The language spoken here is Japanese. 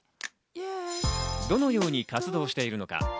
どのように活動しているのか？